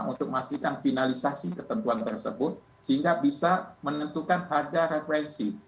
untuk memastikan finalisasi ketentuan tersebut sehingga bisa menentukan harga referensi